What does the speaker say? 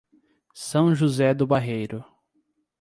São José do Barreiro